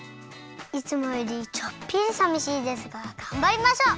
いつもよりちょっぴりさみしいですががんばりましょう！